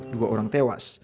dua orang tewas